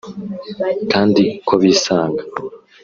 kandi ko bisanga